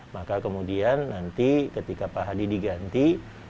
maka kemudian nanti ketika pak hadi diganti